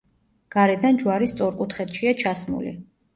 გარედან ჯვარი სწორკუთხედშია ჩასმული.